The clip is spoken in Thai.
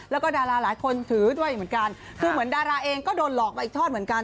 แล้วก็ดาราหลายคนถือด้วยเหมือนกันคือเหมือนดาราเองก็โดนหลอกมาอีกทอดเหมือนกัน